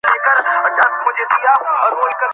আপনার বাবা কি ভূত বিশ্বাস করতেন?